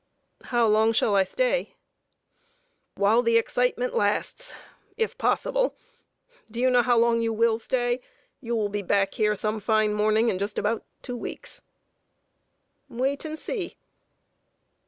"How long shall I stay?" "While the excitement lasts, if possible. Do you know how long you will stay? You will be back here some fine morning in just about two weeks." "Wait and see."